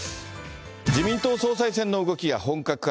自民党総裁選の動きが本格化。